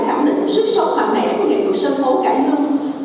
của nghệ thuật sân phố cải hưng